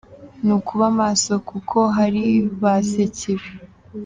Nukuba maso kuko hari ba sekibi.